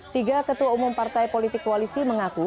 tiga ketua umum partai politik koalisi mengaku